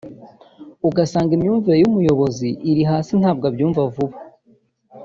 ugasanga imyumvire y’umuyobozi iri hasi ntabwo abyumva vuba